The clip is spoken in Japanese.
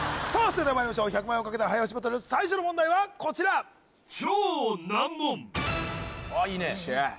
それではまいりましょう１００万円をかけた早押しバトル最初の問題はこちら・あいいね